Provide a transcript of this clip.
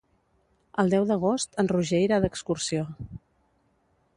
El deu d'agost en Roger irà d'excursió.